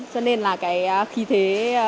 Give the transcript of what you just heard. cho nên là khí thế